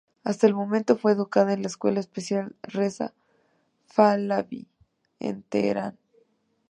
Hasta ese momento, fue educada en la Escuela Especial Reza Pahlaví, en Teherán.